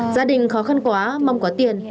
gia đình khó khăn quá mong có tiền